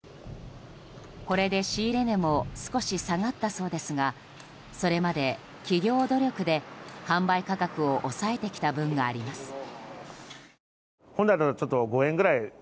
これで、仕入れ値も少し下がったそうですがそれまで企業努力で販売価格を抑えてきた分があります。